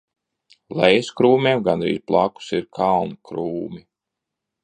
Lejas Krūmiem gandrīz blakus ir Kalna Krūmi.